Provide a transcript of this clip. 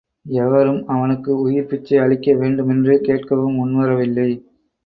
எவரும் அவனுக்கு உயிர்ப்பிச்சை அளிக்க வேண்டுமென்று கேட்கவும் முன்வரவில்லை.